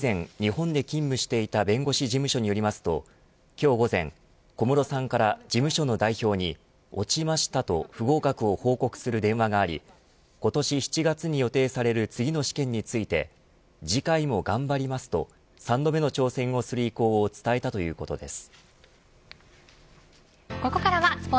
小室さんが以前、日本で勤務していた弁護士事務所によりますと今日午前小室さんから事務所の代表に落ちましたと不合格を報告する電話があり今年７月に予定される次の試験について次回も頑張りますと３度目の挑戦をする意向を伝えたということです。